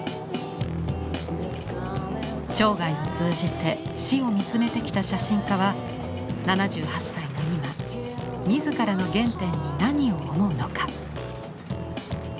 生涯を通じて死を見つめてきた写真家は７８歳の今自らの原点に何を思うのか。